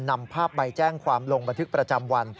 นำภาพใบแจ้งความลงบันทึกประจำวัน